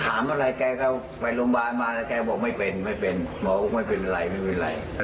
ถามอะไรแกก็ไปโรงพยาบาลมาแล้วแกบอกไม่เป็นไม่เป็นหมอบอกไม่เป็นไรไม่เป็นไร